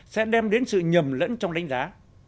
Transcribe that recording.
sẽ đem đến sự nhầm lẫn trong đánh giá